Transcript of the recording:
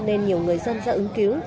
nên nhiều người dân ra ứng cứu